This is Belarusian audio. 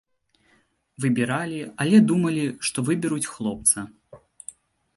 Выбіралі, але думалі, што выберуць хлопца.